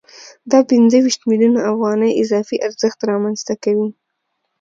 دا پنځه ویشت میلیونه افغانۍ اضافي ارزښت رامنځته کوي